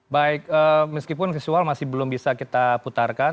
baik meskipun visual masih belum bisa kita putarkan